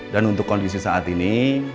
dan untuk kondisi saat ini